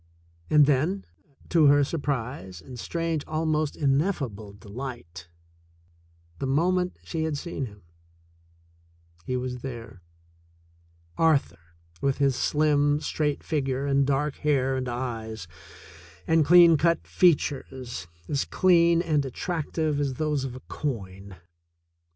And then, to her surprise and strange, almost ineffable de light, the moment she had seen him, he was there — Arthur, with his slim, straight figure and dark hair and eyes and clean cut features, as clean and attrac tive as those of a coin.